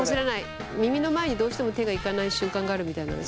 耳の前にどうしても手がいかない習慣があるみたいなので。